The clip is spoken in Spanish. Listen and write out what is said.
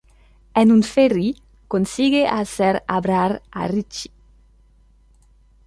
En un ferry, consigue hacer hablar a Ricci.